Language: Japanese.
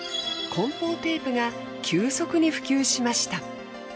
梱包テープが急速に普及しました。